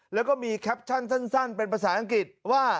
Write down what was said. แล้วก็มีแคปชั่นสั้นเป็นภาษาอังกฤษว่า